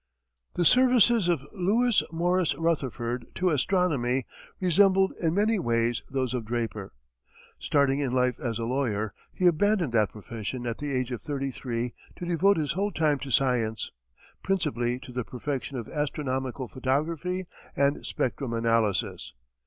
The services of Lewis Morris Rutherford to astronomy resembled in many ways those of Draper. Starting in life as a lawyer, he abandoned that profession at the age of thirty three to devote his whole time to science, principally to the perfection of astronomical photography and spectrum analysis.